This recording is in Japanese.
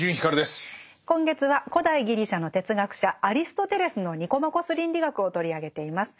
今月は古代ギリシャの哲学者アリストテレスの「ニコマコス倫理学」を取り上げています。